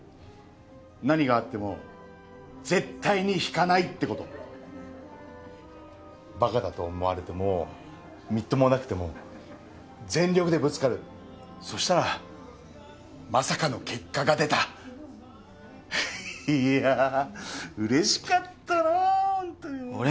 何があっても絶対に引かないってことバカだと思われてもみっともなくても全力でぶつかるそしたらまさかの結果が出たいやうれしかったなぁ